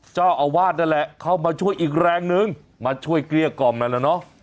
เจ้าอาวาสนั่นแหละเข้ามาช่วยอีกแรงนึงมาช่วยเกลี้ยกล่อมนั่นแหละเนอะ